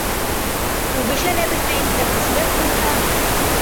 Үбешә лә белмәйенсә, көсләп ҡуйһа.